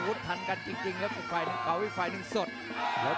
ประเภทมัยยังอย่างปักส่วนขวา